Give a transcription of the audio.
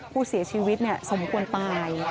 ผู้เสียชีวิตสมควรตาย